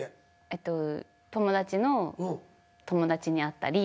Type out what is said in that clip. えっと友達の友達に会ったり。